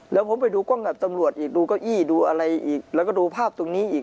แล้วผมไปดูกล้องกับตำรวจอีกดูเก้าอี้ดูอะไรอีกแล้วก็ดูภาพตรงนี้อีก